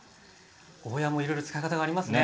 ゴーヤーもいろいろ使い方がありますね。